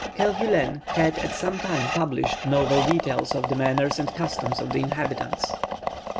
Kerguelen had at the same time published novel details of the manners and customs of the inhabitants.